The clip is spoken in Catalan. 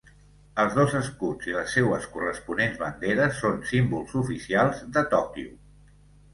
Els dos escuts i les seues corresponents banderes són símbols oficials de Tòquio.